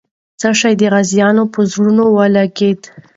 څه شی د غازیانو په زړونو ولګېد؟